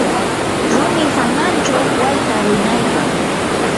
rumi hananchaw wayta winaykan.